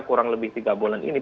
kurang lebih tiga bulan ini